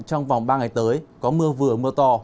trong vòng ba ngày tới có mưa vừa mưa to